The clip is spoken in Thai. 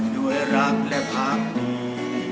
ด้วยรักและพักดี